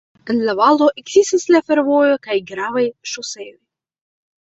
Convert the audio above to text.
En la valo ekzistas kaj fervojo kaj gravaj ŝoseoj.